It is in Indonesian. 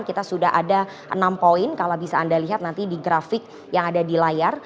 kita sudah ada enam poin kalau bisa anda lihat nanti di grafik yang ada di layar